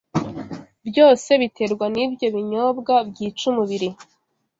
byose biterwa n’ibyo binyobwa byica umubiri?